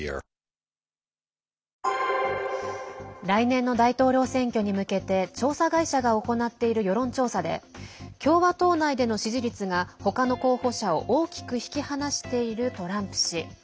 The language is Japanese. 来年の大統領選挙に向けて調査会社が行っている世論調査で共和党内での支持率が他の候補者を大きく引き離しているトランプ氏。